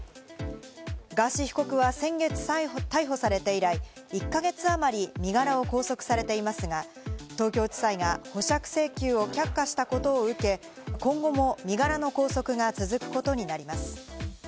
ガーシー被告は先月逮捕されて以来、１か月あまり身柄を拘束されていますが、東京地裁が保釈請求を却下したことを受け、今後も身柄の拘束が続くことになります。